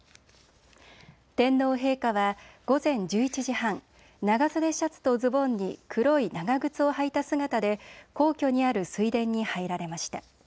天皇陛下は午前１１時半、長袖シャツとズボンに黒い長靴を履いた姿で皇居にある水田に入られました。